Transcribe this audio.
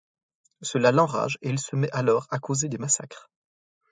Cela l'enrage et il se met alors à causer des massacres.